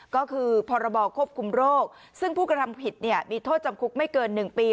ก็คือพรบควบคุมโรคซึ่งผู้กระทำผิดมีโทษจำคุกไม่เกิน๑ปี